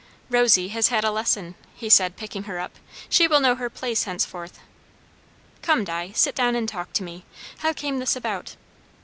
"Rosy has had a lesson," he said, picking her up. "She will know her place henceforth. Come, Di, sit down and talk to me. How came this about?"